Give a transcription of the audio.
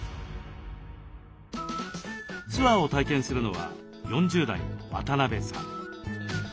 ツアーを体験するのは４０代の渡辺さん。